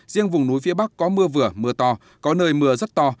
riêng vùng núi phía bắc có mưa vừa mưa to có nơi mưa rất to